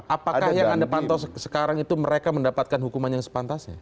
apakah yang anda pantau sekarang itu mereka mendapatkan hukuman yang sepantasnya